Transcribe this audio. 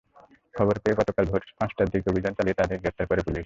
খবর পেয়ে গতকাল ভোর পাঁচটার দিকে অভিযান চালিয়ে তাদের গ্রেপ্তার করে পুলিশ।